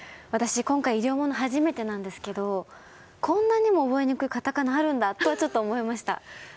私、今回医療もの初めてなんですけどこんなにも覚えにくいカタカナがあるんだとちょっと思いました。